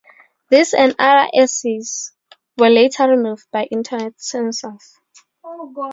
These and other essays were later removed by internet censors.